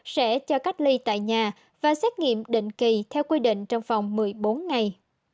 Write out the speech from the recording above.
sẽ cho cách ly tại nhà và xét nghiệm định kỳ theo quy định trong vòng một mươi bốn ngày